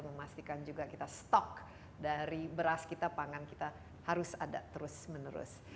memastikan juga kita stok dari beras kita pangan kita harus ada terus menerus